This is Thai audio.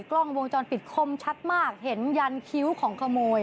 กล้องวงจรปิดคมชัดมากเห็นยันคิ้วของขโมย